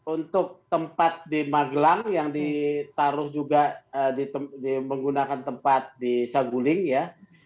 untuk tempat di magelang yang ditaruh juga menggunakan tempat di saguling ya